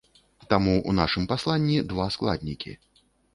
Таму ў нашым пасланні два складнікі.